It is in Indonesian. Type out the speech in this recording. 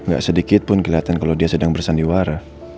gak sedikit pun kelihatan kalau dia sedang bersandiwara